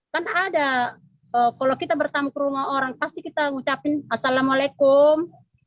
kan ada kalau kita bertamu ke rumah orang pasti kita ngucapin assalamualaikum